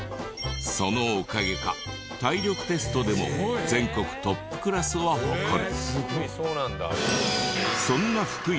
そのおかげか体力テストでも全国トップクラスを誇る。